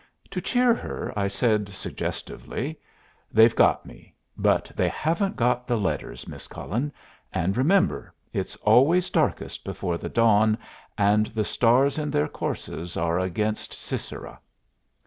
To cheer her I said, suggestively, "They've got me, but they haven't got the letters, Miss Cullen. And, remember, it's always darkest before the dawn, and the stars in their courses are against Sisera."